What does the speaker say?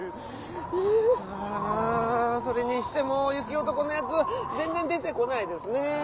あそれにしてもゆきおとこのやつぜんぜん出てこないですね。